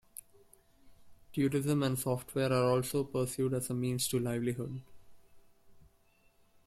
Tourism and software are also pursued as a means to livelihood.